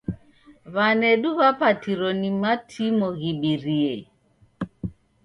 W'anedu w'apatiro ni matimo ghibirie.